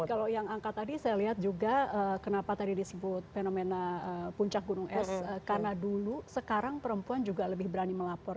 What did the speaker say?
jadi kalau yang angka tadi saya lihat juga kenapa tadi disebut fenomena puncak gunung es karena dulu sekarang perempuan juga lebih berani melapor